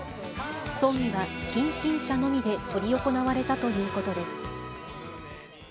葬儀は近親者のみで執り行われたということです。